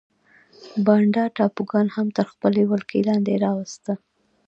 بانډا ټاپوګان هم تر خپلې ولکې لاندې راوسته.